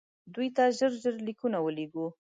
دوی ته ژر ژر لیکونه ولېږو.